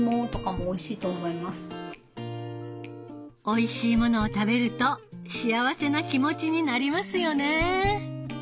おいしいものを食べると幸せな気持ちになりますよね。